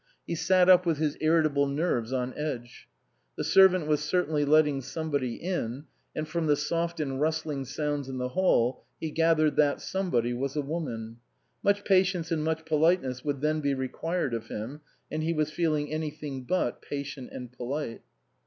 He sat up with his irritable nerves on edge. The servant was certainly letting somebody in, and from the soft and rustling sounds in the hall he gathered that somebody was a woman ; much patience and much politeness would then be required of him, and he was feeling anything but patient and polite.